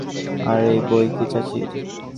আর এই বই কী চাচির?